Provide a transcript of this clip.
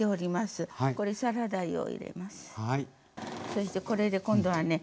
そしてこれで今度はね